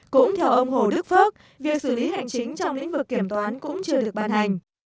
cũng theo ông hồ đức phước việc xử lý hành chính trong lĩnh vực kiểm toán cũng chưa được ban hành